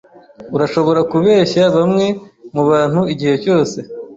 Urashobora kubeshya bamwe mubantu igihe cyose,